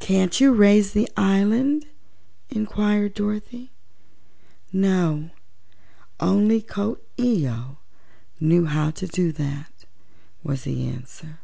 "Can't you raise the island?" inquired Dorothy. "No. Only Coo ee oh knew how to do that," was the answer.